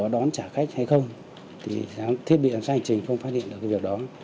đón trả khách hay không thì thiết bị giám sát hành trình không phát hiện được việc đó